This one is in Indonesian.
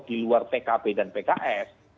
diluar pkb dan pks